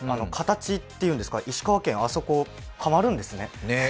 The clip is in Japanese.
形っていうんですか、石川県、あそこ、はまるんですね。